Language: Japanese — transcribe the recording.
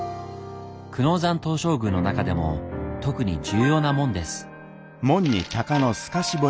久能山東照宮の中でも特に重要な門です。